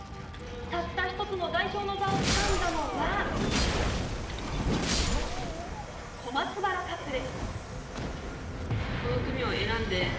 たった１つの代表の座をつかんだのは小松原カップル。